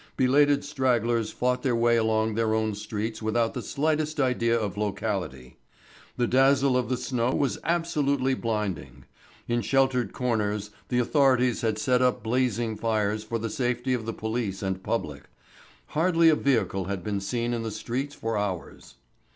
Belated stragglers fought their way along their own streets without the slightest idea of locality, the dazzle of the snow was absolutely blinding. In sheltered corners the authorities had set up blazing fires for the safety of the police and public. Hardly a vehicle had been seen in the streets for hours.